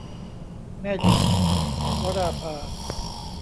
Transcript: แม่หญิง - วราภา